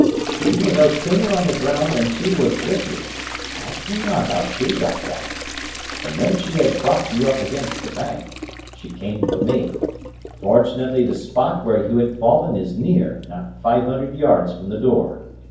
And you were no sooner on the ground than she was with you ask me not how she got down! And when she had propped you up against the bank, she came for me. Fortunately the spot where you had fallen is near not five hundred yards from the door.